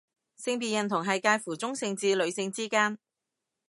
性別認同係界乎中性至女性之間